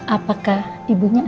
apakah ibunya ada